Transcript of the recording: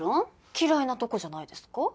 嫌いなとこじゃないですか？